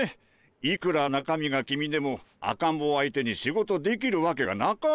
いくら中身が君でも赤ん坊相手に仕事できるわけがなかろう。